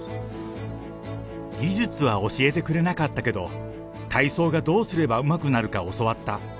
技術は教えてくれなかったけど、体操がどうすればうまくなるか教わった。